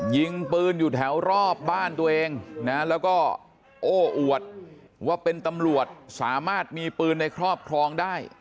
ยิงปืนอยู่แถวรอบบ้านตัวเองนะแล้วก็โอ้อวดว่าเป็นตำรวจสามารถมีปืนในครอบครองได้